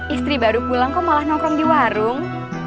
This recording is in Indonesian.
istri baru pulang kok malah nongkrong di warung